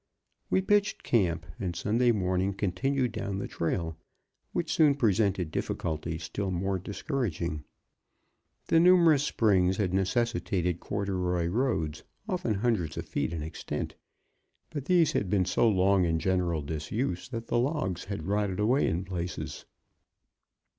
We pitched camp and Sunday morning continued down the trail, which soon presented difficulties still more discouraging. The numerous springs had necessitated corduroy roads often hundreds of feet in extent. But these had been so long in general disuse that the logs had rotted away in places.